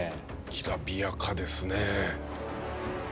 きらびやかですね。